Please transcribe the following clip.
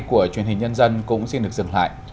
của truyền hình nhân dân cũng xin được dừng lại